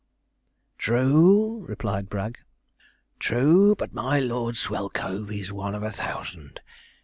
'True,' replied Bragg, 'true; but my Lord Swellcove is one of a thousand.